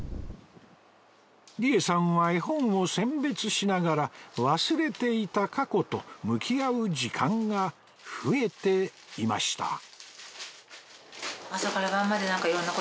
理恵さんは絵本を選別しながら忘れていた過去と向き合う時間が増えていました